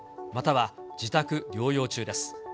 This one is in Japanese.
または自宅療養中です。